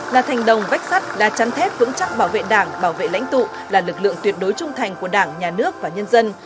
là thành đồng vách sắt đa chăn thép vững chắc bảo vệ đảng bảo vệ lãnh tụ là lực lượng tuyệt đối trung thành của đảng nhà nước và nhân dân